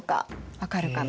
分かるかな？